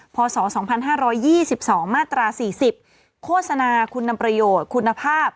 พศ๒๕๒๒มาตรา๔๐โฆษณาคุณประโยชน์คุณภาพ